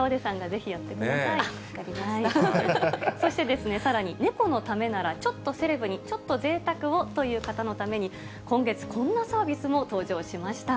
そしてさらに、猫のためならちょっとセレブに、ちょっとぜいたくをという方のために、今月こんなサービスも登場しました。